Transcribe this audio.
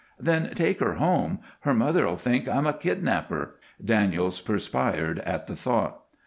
"Then take her home. Her mother'll think I'm a kidnapper." Daniels perspired at the thought.